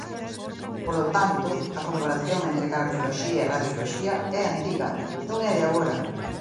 Polo tanto, a colaboración entre cardioloxía e radioloxía é antiga, non é de agora.